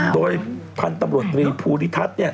โดยพันธุ์ตำรวจตรีภูริทัศน์เนี่ย